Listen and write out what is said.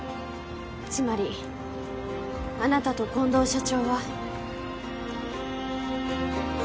つまりあなたと近藤社長は。